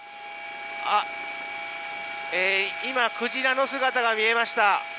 今、クジラの姿が見えました。